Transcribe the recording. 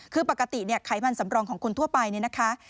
คือปกติเนี่ยไขมันสำรองของคนทั่วไปเนี่ยนะคะ